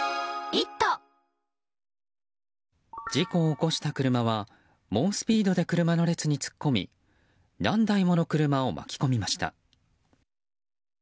事故を起こした車は猛スピードで車の列に突っ込み何台もの車を巻き込みました。